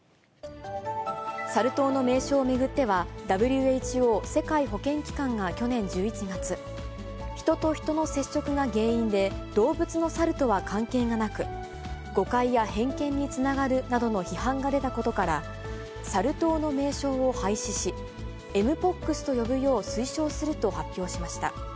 サル痘の名称を巡っては、ＷＨＯ・世界保健機関が去年１１月、人と人の接触が原因で、動物のサルとは関係がなく、誤解や偏見につながるなどの批判が出たことから、サル痘の名称を廃止し、エムポックスと呼ぶよう推奨すると発表しました。